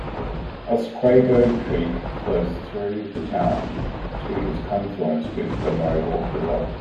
Otsquago Creek flows through the town to its confluence with the Mohawk River.